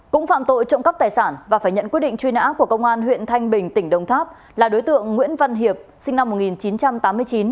cũng phạm tội trộm cắp tài sản và phải nhận quyết định truy nã của công an huyện thanh bình tỉnh đồng tháp là đối tượng nguyễn văn hiệp sinh năm một nghìn chín trăm tám mươi chín